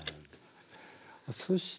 そして。